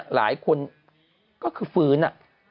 หลายคนก็คือฟื้น